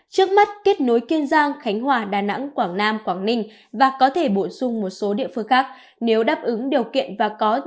trước mắt kết nối kiên giang khánh hòa đà nẵng quảng nam quảng ninh và có thể bổ sung một số địa phương khác